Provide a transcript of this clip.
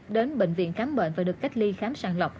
đến bệnh viện khám bệnh và được cách ly khám sàng lọc